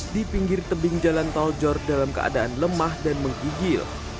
di pinggir tebing jalan tol jor dalam keadaan lemah dan menggigil